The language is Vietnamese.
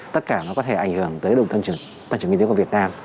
tất cả nó có thể ảnh hưởng tới tăng trưởng kinh tế của việt nam